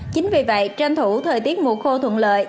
chính vì vậy tranh thủ thời tiết mùa khô thuận lợi